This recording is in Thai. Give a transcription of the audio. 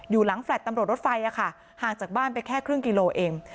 อยู่หลังแฟลต์ตำรวจรถไฟห่างจากบ้านไปแค่ครึ่งกิโลเอง